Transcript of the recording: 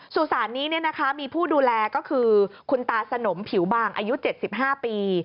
สุสานนี้มีผู้ดูแลก็คือคุณตาสนมผิวบางอายุ๗๕ปี